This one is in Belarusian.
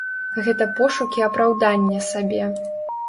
Гэта пошукі апраўдання сабе.